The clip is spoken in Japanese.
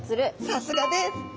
さすがです！